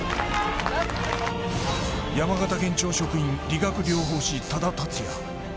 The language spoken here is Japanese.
山形県庁職員理学療法士、多田竜也。